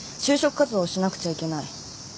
就職活動をしなくちゃいけない。